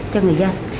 cho người dân